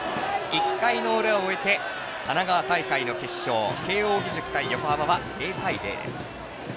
１回の裏を終えて神奈川大会の決勝慶応義塾対横浜は０対０です。